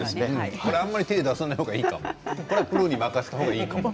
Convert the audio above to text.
あまり手を出さない方がいいかもこれはプロに任せた方がいいかも。